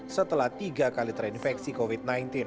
setelah tiga kali terinfeksi covid sembilan belas